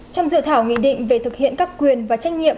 trong dự thảo nghị định về thực hiện các quyền và trách nhiệm